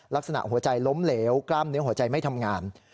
หัวใจล้มเหลวกล้ามเนื้อหัวใจไม่ทำงาน